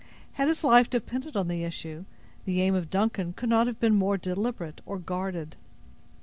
Had his life depended on the issue, the aim of Duncan could not have been more deliberate or guarded.